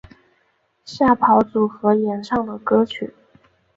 吓跑组合演唱的歌曲。